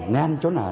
nhanh chỗ nào